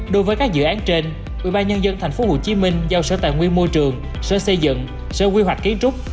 đối với các dự án trên ubnd tp hcm giao sở tài nguyên môi trường sở xây dựng sở quy hoạch kiến trúc